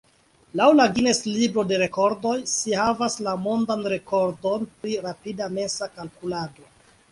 Laŭ la Guinness-libro de rekordoj si havis la mondan rekordon pri rapida mensa kalkulado.